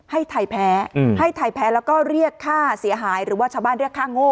ให้ไทยแพ้ให้ไทยแพ้แล้วก็เรียกค่าเสียหายหรือว่าชาวบ้านเรียกค่าโง่